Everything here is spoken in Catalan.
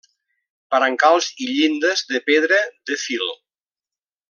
Brancals i llindes de pedra de fil.